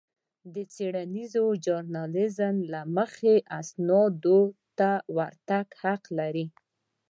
د څېړنيز ژورنالېزم له مخې اسنادو ته د ورتګ حق لرئ.